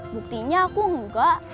buktinya aku enggak